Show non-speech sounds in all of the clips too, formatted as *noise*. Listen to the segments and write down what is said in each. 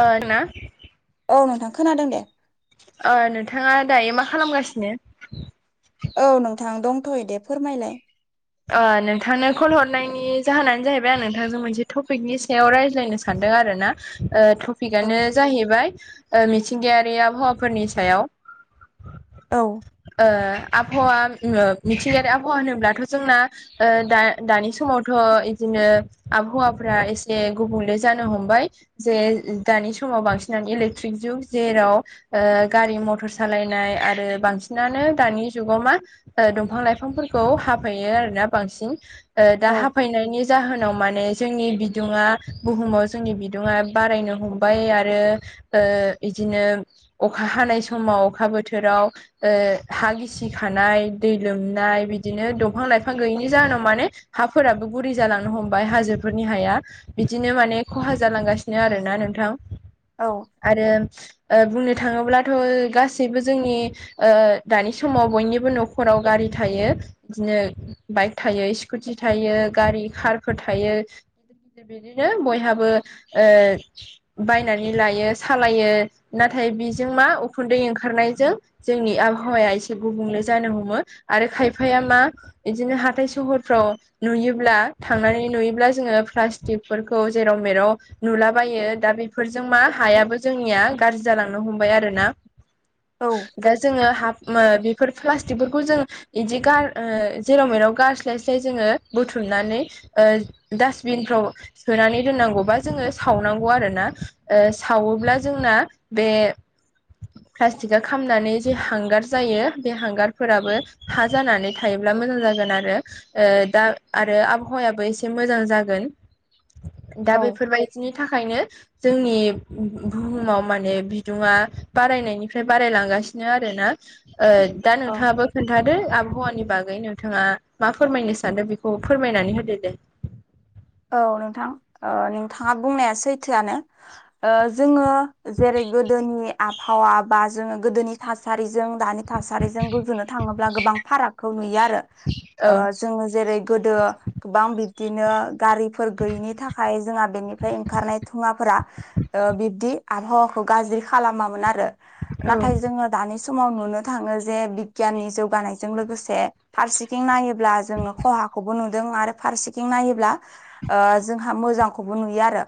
ओ ना? औ नोंथां खोनादों दे। नोंथांङा दायो मा खालामगासिनो? औ नोंथां दंथ'यै दे फोरमायलायो नोंथांनो कल हरनायनि जाहोनानो जाहैबाय आं नोंथांजों मोनसे टपिकनि सायाव रायज्लायनो सानदों आरो ना? ओ। औ पिकनो जाहैबाय मिथिंगायारि आबहावाफोरनि सायाव। औ। आबाहावा मिथिंगायारि आबाहावा होनोब्लाथ'। जोंना द दानि समावथ' बिदिनो आबहावाफ एसे गुबुंले जानो हमबाय। जे दानि समाव बांसिनानो इलेक्ट्रिक जुग जेरावो ओ गारि मथर सालायनाय आरो बांसिनानो दानि जुगाव मा ओ दंफां लाइफांफोरखौ हाफैयो आरोना बांसिन दा औ हाफायनायनि जाहोनाव माने जोंनि बिदुंङा बुहुमाव जोंनि बिदुंङा बारायनो हमबाय आरो ओ बिदिनो अखा हानाय समाव अखा बोथोराव ओ हा गिसि खानाय दै लोमनाय बिदिनो दं फां लाइफां गैयैनि जाहोनाव माने हाफोराबो गुरै जालांनो हमबाय हाजोफोरनि हाया। बिदिनो माने खहा जालांगासिनो आरोना नोंथां। औ आरो बुंनो थाङोब्लाथ' गासैबो जोंनि ओ दानि समाव बयनिबो न'खराव गारि थायो। बिदिनो बाइक थायो स्कुटि थायो गारि कारफोर थायो। बिदिनो बयहाबो ओ बायनानै लायो सालायो नाथाय बिजों मा उखुन्दै ओंखारनायजों जोंनि आबहावाया एसे गुबुंले जानो हमो आरो खायफाया मा बिदिनो हाथाय सहरफ्राव नुयोब्ला थांनानै नुयोब्ला जोङो प्लास्टिकफोरखौ जेराव मेराव नुलाबायो दा बेफोरजों मा हायाबो जोंनिया गाज्रि जालांनो हमबाय आरोना। औ दा जोङो हा‌ ओ बेफोर प्लास्टिकफोरखौ जों बिदि गार ओ जेराव मेराव गारस्लायस्लाय जोङो बुथुमनानै ओ डास्टबिनफ्राव सोनानै दोननांगौबा जोङो सावनांगौ आरोना ओ सावोब्ला जोंना बे प्लास्टिकआ खामनानै जे हांगार जायो बे हांगारफोराबो हा जानानै थायोब्ला मोजां जागोन आरो दा आरो आबहावायाबो एसे मोजां जागोन। दा औ बेफोरबायदिनि थाखायनो जोंनि बुहुमाव माने बिदुुङा बारायनायनिफ्राय बारायलांगासिनो आरोना। ओ दा औ नोंथाङाबो खोनथादो आबहावानि बागै नोंथाङा मा फोरमायनो सानदों बेखौ फोरमायनानै होदो दे। औ नोंथां ओ नोंथाङा बुंनाया सैथोआनो जोङो जेरै गोदोनि आबहावा बा जोङो गोदोनि थासारिजों दानि थासारिजों रुजुनो थाङोब्ला गोबां फारागखौ नुयो आरो औ ओ जोङो जेरै गोदो गोबां बिब्दिनो गारिफोर गैयिनि थाखाय जोंहा बेनिफ्राय ओंखारनाय धुंवाफोरा ओ बिब्दि आबहावाखौ गाज्रि खालामामोन आरो औ नाथाय जोङो दानि समाव नुनो थाङो जे बिगियाननि जौगानायजों लोगोसे फारसेथिं नायोब्ला जोङो खहाखौबो नुदों आरो फारसेथिं नायोब्ला ओ जोंहा मोजांखौबो नुयो आरो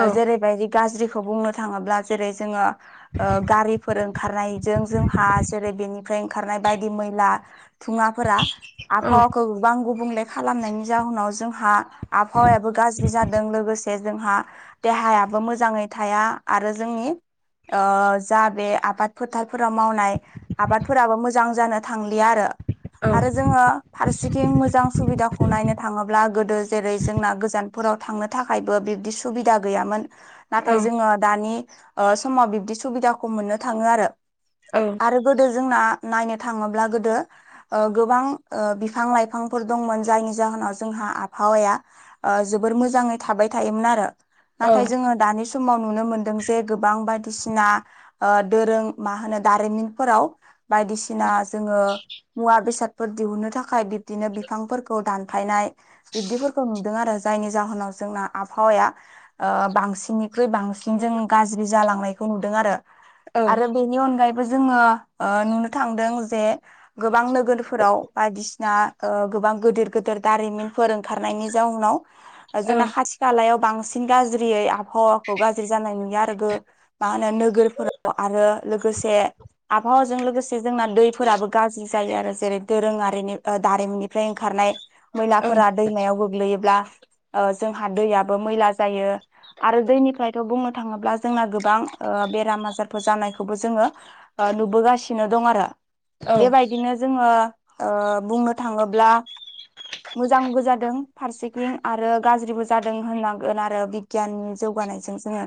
औ ओ जेरैबायदि गाज्रिखौ बुंनो थाङोब्ला जेरै जोङो ओ गारिफोर ओंखारनायजों जोंहा जेरै बेनिफ्राय ओंखारनाय बायदि मैला धुङाफोरा औ आबहावाखौ गोबां गुबुंले खालामनायनि जाहोनाव जोंहा आबहावायाबो गाज्रि जादों लोगोसे जोंहा देहायाबो मोजाङै थाया आरो जोंनि ओ जा बे आबाद फोथारफोराव मावनाय आबादफोराबो मोजां जानो थांलिया आरो। औ आरो जोङो फारसेथिं मोजां सुबिदाखौ नायनो थाङोब्ला गोदो जेरै जोंना गोजानफोराव थांनो थाखायबो बिबदि सुबिदा गैयामोन। औ नाथाय जोङो दानि समाव बिब्दि सुबिदाखौ मोननो थाङो आरो। औ आरो गोदो जोंना नायनो थाङोब्ला गोदो ओ गोबां ओ बिफां लाइफांफोर दंमोन जायनि जाहोनाव जोंहा हावाया जोबोर मोजाङै थाबाय थायोमोन आरो औ नाथाय जोङो दानि समाव नुनो मोन्दों जे गोबां बायदिसिना ओ दोरों मा होनो दारिमिनफोराव बायदिसिना जोङो मुवा बेसाद फोर दिहुननो थाखाय बिब्दिनो बिफांफोरखौ दानफायनाय बिब्दिफोरखौ नुदों आरो जायनि जाहोनाव जोंना आबहावाया बांसिन खो बांसिन जों गाज्रि जालांनायखौ नुदों आरो आरो बेनि अनगायै जोङो नुनो थांदों जे गोबां नोगोरफोराव बायदिसिना गोबां गिदिर गिदिर दारिमिन फोर ओंखारनायनि जाउनाव जोंना औ हासि खालायाव बांसिन गाज्रियै आबहावाखौ गाज्रि जानाय नुयो आरोबो मा होनो नोगोरफोराव आरो लोगोसे आबहावाजों लोगोसे जोंना दैफोराबो गाज्रि जायो आरो जेरै दोरोङारिनि दारिमिनिफ्राय ओंखारनाय मैला दैमायाव गोग्लैयोब्ला जोंहा ओ दैयाबबो मैला जायो। आरो दैनिफ्रायथ' बुंनो थाङोब्ला जोंना गोबां बेराम आजारफोर जानायखौबो जोङो नुबोगासिनो दं आरो औ बेबायदिनो जोङो बुंनो थाङोब्ला मोजांबो जादों फारसेथिं आरो गाज्रिबो जादों होननांगोन आरो। गियान जौगानायजों जोङो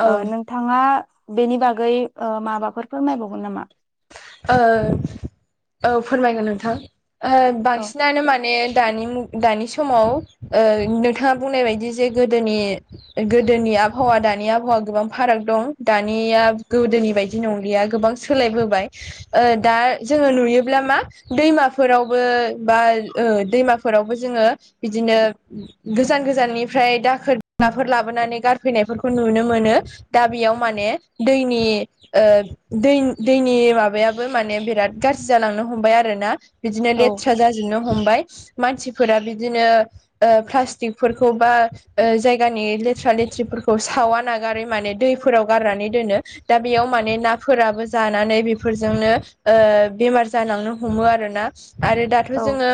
औ ओ नोंथाङा बेनि बागै माबाफोरफोर फोरमायबावगोन नामा? औ फोरमायगोन नोंथां। औ बांसिनानो माने दानि दानि समाव नोंथाङा बुंनाय बादि जे गोदोनि गोदोनि आबहावा दानि आबहावा गोबां फाराग दं दानिया गोदोनि बायदि नंलिया गोबां सोलायबोबाय दा जोङो नुयोब्ला मा दैमाफोरावबो बा दैमाफोरावबो जोङो बिदिनो गोजान गोजाननिफ्राय दाखोर नाफोर लाबोनानै गारफैनायफोरखौ नुनो मोनो। दा बेयाव माने दैनि दै दैनि माबा बेयाबो माने बिराद गाज्रि जालांनो हमबाय आरो ना बिदिनो औ लेब्रा जाजोब नो हमबाय मानसिफोरा बिदिनो प्लास्टिकफोरखौ बा जायगानि लेथ्रा लेथ्रिफोरखौ सावा नागारै माने दैफोराव गारनानै दोनो। दा बेयाव माने नाफोराबो जानानै बे फोरजोंनो बेमार जालांनो हमो आरोना आरो दाथ' औ जोङो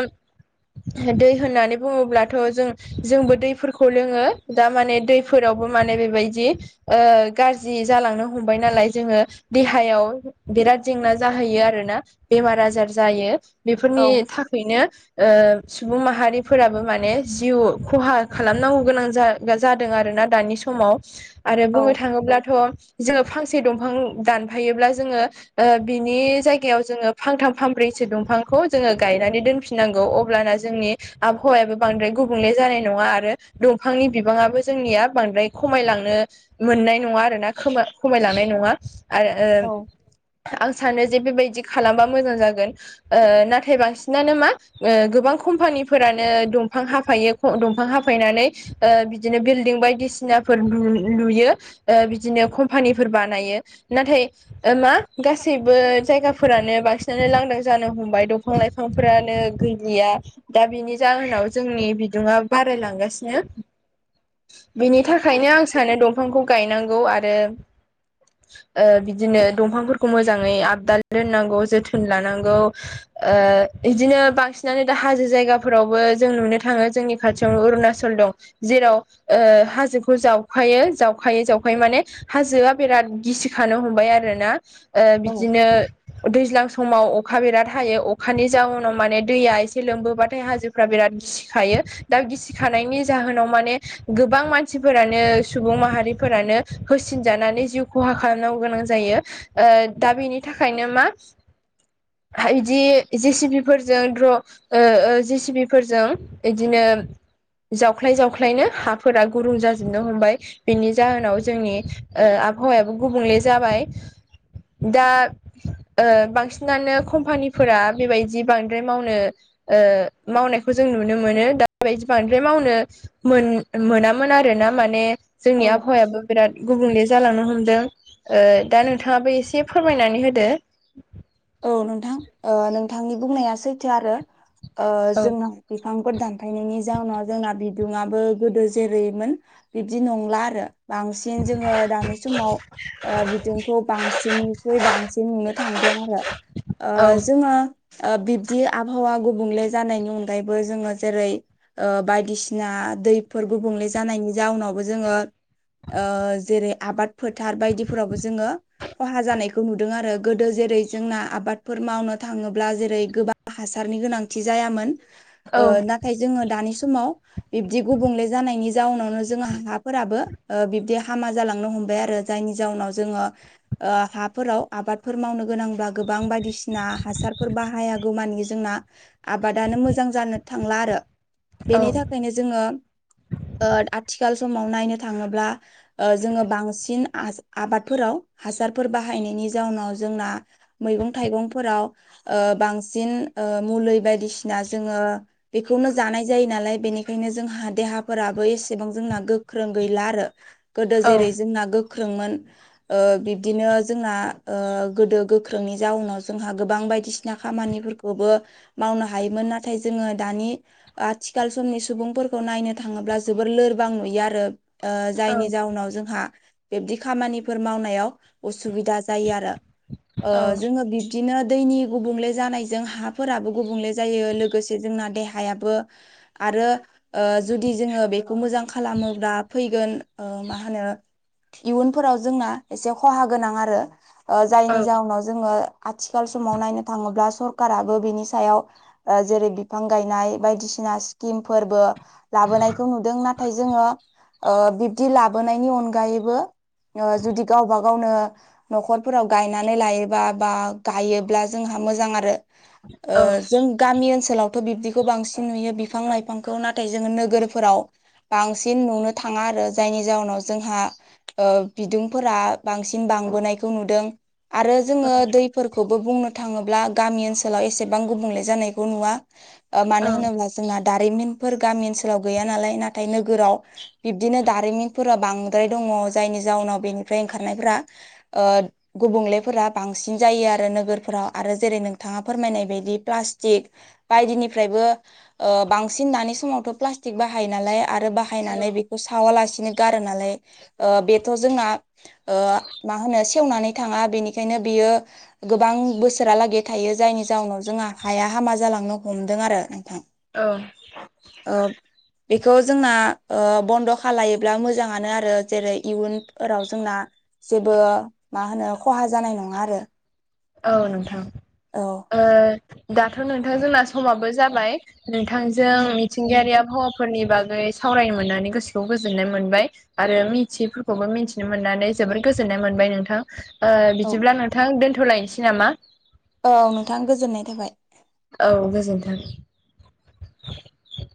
दै होननानै बुङोब्लाथ' जों जोंबो दैफोरखौ लोङो दा माने दै फोरावबो माने बेबायदि गाज्रि जालांनो हमबाय नालाय जोङो देहायाव बिराद जेंना जाहैयो आरोना बेमार आजार जायो बेफोरनि थाखायनो सुबुं माहारिफोराबो माने जिउ खहा खालामनांगौ गोनां जा जादों आरो ना दानि समाव। आरो बुंनो औ थाङोब्लाथ' जोङो फांसे दंफां दानफायोब्ला जोङो ओ बिनि जायगायाव जोङो फांथाम फानब्रैसो दंफांखौ जोङो गायनानै दोन फिनांगौ अब्लाना जोंनि आबहावायाबो बांद्राय गुबुंले जानाय नङा आरो दंफांनि बिबाङाबो जोंनिया बांद्राय खमायलांनो मोननाय नङा आरो ना खा खमायलांनाय नङा आरो औ आं सानो जे बेबायदि खालामबा मोजां जागोन नाथाय बांसिनानो मा गोबां कम्पानिफोरानो दंफां हाफायो दंफां हाफायनानै बिदिनो बिल्डिं बायदिसिनाफोर लुयो। बिदिनो कम्पानिफोर बानायो नाथाय मा गासैबो जायगाफोरानो बांसिनानो लांदां जानो हमबाय दंफां लाइफांफोरानो गैलिया। दा बिनि जाहोनाव जोंनि बिदुङा बारायलांगासिनो। बिनि थाखायनो आं सानो दंफांखौ गायनांगौ आरो बिदिनो दंफांफोरखौ मोजाङै आबदाल दोननांगौ जोथोन लानांगौ। ओ बिदिनो बांसिनानो दा हाजो जायगाफोरावबो जों नुनो थाङो जोंनि खाथियावनो उरणाचल दं जेराव ओ हाजोखौ जावखायो जावखायै जावखायै माने हाजोआ बिराद गिसिखानो हमबाय आरोना ओ औ बिदिनो दैज्लां समाव अखा बिराद हायो अखानि जाउनाव माने दैया एसे लोमबोबाथाय हाजो फ्रा बिराद गिसिखायो दा गिसिखानायनि जाहोनाव माने गोबां मानसिफोरानो सुबुं माहारिफोरानो होसिनजानानै जिउ खहा खालामनांगौ गोनां जायो दा बेनि थाखायनो मा हा बिदि जे सि पि फोरजों द्र' ओ ओ जि सि बि फोरजों इदिनो जावख्लाय जावख्लायनो हाफोरा गुरुं जाजोबनो हमबाय बेनि जाहोनाव जोंनि ओ आबहावायाबो गुबुंले जाबाय दा ओ बांसिनानो कम्पानिफोरा बेबायदि बांद्राय मावनो ओ मावनायखौ जों नुनो मोनो दा बिदि बांद्राय मावनो मोन मोनामोन आरोना माने जोंनि आबहावायाबो औ बिराद गुबुंले जा जालांनो हमदों दा नोंथाङाबो एसे फोरमायनानै होदो औ नोंथां ओ नोंथांनि बुंनाया सैथो आरो ओ औ जोंनाव बिफांफोर दानफायनायनि जाउनाव जोंना बिदुङाबो गोदो जेरैमोन बिब्दि नंला आरो बांसिन जोङो दानि समाव ओ बिदुंखौ बांसिननिखुइ बांसिन नुनो थांदों आरो ओ औ जोङो ओ बिब्दि आबहावा गुबुंले जानायनि अनगायैबो जोङो जेरै ओ बायदिसिना दैफोर गुबुंले जानायनि जाउनावबो जोङो ओ जेरै आबाद फोथार बायदिफोरावबो जोङो खहा जानायखौ नुदों आरो गोदो जेरै जोंना आबादफोर मावनो थाङोब्ला जेरै गोबां हासारनि गोनांथि जायामोन औ ओ नाथाय जोङो दानि समाव बिब्दि गुबुंले जानायनि जाउनाव जोंहा हाफोराबो बिबदि हामा जालांनो हमबाय आरो जायनि जाहोनाव जोङो हाफोराव आबादफोर मावनो गोनां बा गोबां बायदिसिना हासारफोर बाहायागौमानि जोंना आबादानो मोजां जानो थांला आरो औ बेनि था खायनो जोङो ओ आथिखाल समाव नायनो थाङोब्ला ओ जोङो बांसिन आ-आबादफोराव हासारफोर बाहायनायनि जाउनाव जोंना मैगं थाइगंफोराव ओ बांसिन मुलै बायदिसिना जोङो बेखौनो जानाय जायो नालाय बेनिखायनो जोंहा देहाफोराबो एसेबां जोंना गोख्रों गैला आरो गोदो औ जेरै जोंना गोख्रोंमोन ओ बिब्दिनो जोंना ओ गोदो गो ख्रोंनि जाउनाव जोंहा गोबां बायदिसिना खामानिफोरखौबो मावनो हायोमोन नाथाय जोङो दानि आथिखाल समनि सुबुंफोरखौ नायनो थाङोब्ला जोबोर लोरबां नुयो आरो ओ औ जायनि जाउनाव जोंहा बिब्दि खामानिफोर मावनायाव उसुबिदा जायो आरो औ ओ जोङो बिब दिनो दैनि गुबुंले जानायजों हाफोराबो गुबुंले जायो लोगोसे जोंना देहायाबो आरो जुदि जोङो बेखौ मोजां खालामोब्ला फैगोन ओ मा होनो इयुनफोराव जोंना एसे खहा गोनां आरो ओ जायनि जाउनाव जोङो आथिखाल समाव नायनो थाङोब्ला सरखाराबो बिनि सायाव जेरै बिफां गायनाय बायदिसिना स्किमफोरबो लाबोनायखौ नुदों नाथाय जोङो ओ बिब्दि लाबोनायनि अनगायैबो ओ जुदि गावबा गावनो नखरफोराव गाय नानै लायोबा बा गायोब्ला जोंहा मोजां आरो औ ओ जों गामि ओनसोलावथ' बिब्दिखौ बांसिन नुयो बिफां लाइफांखौ नाथाय जोङो नोगोरफोराव बांसिन नुनो थाङा आरो जायनि जाहोनाव जोंहा ओ बिदुंफोरा बांसिन बांबोनायखौ नुदों आरो जोङो दै फोरखौबो बुंनो थाङोब्ला गामि ओनसोलाव एसेबां गुबुंले जानायखौ नुवा। ओ औ मानो होनोब्ला जोंना दारिमिनफोर गामि ओनसोलाव गैया नालाय नाथाय नोगोराव बिब्दिनो दारिमिनफोरा बांद्राय दङ जायनि जाउनाव बेनिफ्राय ओंखारनायफ्रा ओ गुबुंलेफोरा बांसिन जायो आरो नोगोरफोराव आरो जेरै नोंथाङा फोरमायनाय बायदि प्लास्टिक बायदिनिफ्रायबो ओ बांसिन दानि समावथ' प्लास्टिक बाहायो नालाय आरो बाहायनानै बि खौ सावालासिनो गारो नालाय ओ बेथ' जोंना ओ मा होनो सेवनानै थाङा बेनिखायनो बियो गोबां बोसोरालागै थायो जायनि जाउनाव जोंहा हाया हामा जालांनो हमदों आरो। *inaudible* ओ। ओब बेखौ जोंना ओ बन्द' खालायोब्ला मोजाङानो आरो। जेरै इयुनफोराव जोंना जेबो मा होनो खहा जानाय नङा आरो। औ नोंथां। औ ओ दाथ' नोंथां जोंना समाबो जाबाय। नोंथांजों थिंगायारि आबहावाफोरनि बागै सावरायनो मोननानै गोसोखौ गोजोननाय मोनबाय। आरो मिथियिफोरखौबो मिन्थिनो मोननानै जोबोर गोजोननाय मोनबाय नोंथां। ओ औ बिदिब्ला नोंथां दोन्थ'लायनसै नामा? औ नोंथां गोजोन्नाय थाबाय। औ गोजोन्थों।